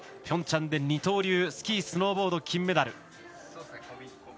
ピョンチャンで二刀流スキー・スノーボード金メダル。